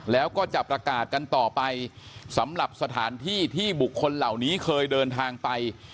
แล้วก็จะประกาศกันต่อไปสำหรับสถานที่ที่บุคคลเหล่านี้เคยเดินทางไป